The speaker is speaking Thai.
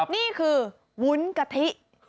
นี่คือวุ้นกะทิ